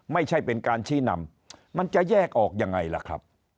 ไม่ใช่เป็นการชี้นำมันจะแยกออกยังไงล่ะครับ